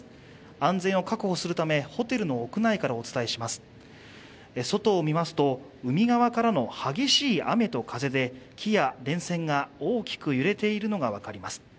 安全を確保するためホテルの屋内からお伝えします外を見ますと海側からの激しい雨と風で木や電線が大きく揺れているのが分かります